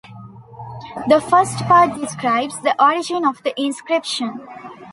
The first part describes the origin of the inscription.